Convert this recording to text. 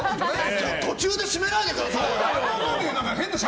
途中で閉めないでくださいよ！